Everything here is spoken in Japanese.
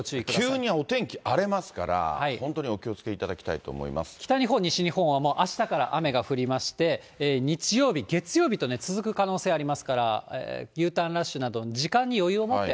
急にお天気荒れますから、本当にお気をつけいただきたいと思北日本、西日本はもうあしたから雨が降りまして、日曜日、月曜日と続く可能性ありますから、Ｕターンラッシュなど、時間に余裕を持って。